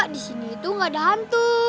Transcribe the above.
di sini itu gak ada hantu